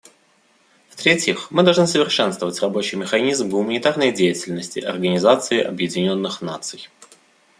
В-третьих, мы должны совершенствовать рабочий механизм гуманитарной деятельности Организации Объединенных Наций.